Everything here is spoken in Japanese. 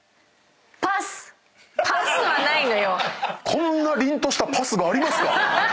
こんなりんとしたパスがありますか⁉